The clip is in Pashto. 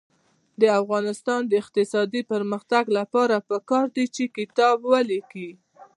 د افغانستان د اقتصادي پرمختګ لپاره پکار ده چې کتاب ولیکو.